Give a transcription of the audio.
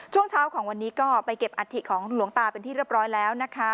ช่วงเช้าของวันนี้ก็ไปเก็บอัฐิของหลวงตาเป็นที่เรียบร้อยแล้วนะคะ